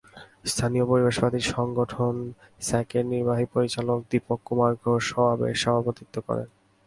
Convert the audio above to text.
স্থানীয় পরিবেশবাদী সংগঠন স্যাকের নির্বাহী পরিচালক দীপক কুমার ঘোষ সমাবেশ সভাপতিত্ব করেন।